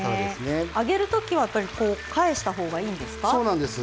揚げるときは返したほうがいいんですか？